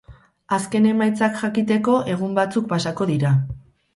Azken emaitzak jakiteko egun batzuk pasako dira.